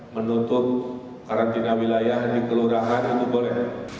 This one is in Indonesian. menutup karantina wilayah di kelurahan itu boleh